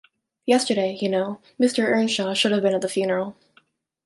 Yesterday, you know, Mr. Earnshaw should have been at the funeral.